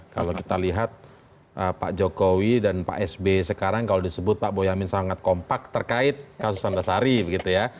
kalau kita lihat pak jokowi dan pak sb sekarang kalau disebut pak boyamin sangat kompak terkait kasus antasari begitu ya